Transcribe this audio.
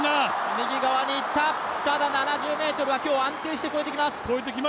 右側に行った、ただ７０ｍは今日安定して越えてきます。